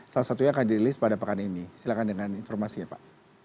salah satunya akan dirilis pada pekan ini silahkan dengan informasinya pak